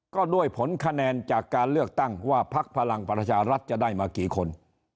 ก็ด้วยผลคะแนนจากการเลือกตั้งว่าพักพลังประชารัฐจะได้มากี่คน